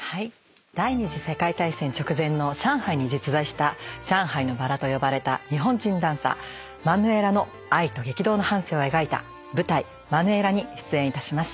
第二次世界大戦直前の上海に実在した上海の薔薇と呼ばれた日本人ダンサーマヌエラの愛と激動の半生を描いた舞台『マヌエラ』に出演いたします。